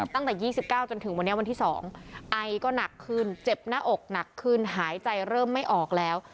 ตั้งแต่๒๙จนถึงวันนี้วันที่๒ไอก็หนักขึ้นเจ็บหน้าอกหนักขึ้นหายใจเริ่มไม่ออกแล้ว